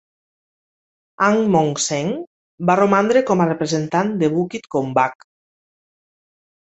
Ang Mong Seng va romandre com a representant de Bukit Gombak.